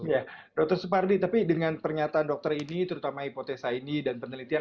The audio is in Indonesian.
ya dokter supardi tapi dengan pernyataan dokter ini terutama hipotesa ini dan penelitian